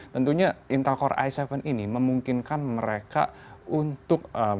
tentunya intel core i tujuh ini memungkinkan mereka untuk